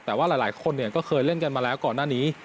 แต่ว่าหลายคนก็เคยเล่นกันมาแล้วก่อนหน้านี้